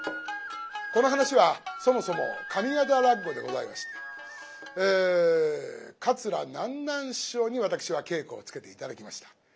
この噺はそもそも上方落語でございまして桂南なん師匠に私は稽古をつけて頂きました。